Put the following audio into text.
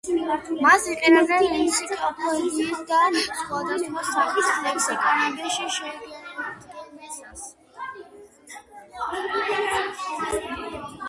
მას იყენებენ ენციკლოპედიისა და სხვადასხვა სახის ლექსიკონების შედგენისას.